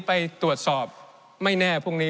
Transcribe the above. ไปตรวจสอบไม่แน่พรุ่งนี้